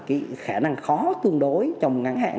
cái khả năng khó tương đối trong ngắn hạn